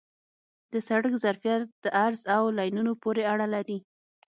د سړک ظرفیت د عرض او لینونو پورې اړه لري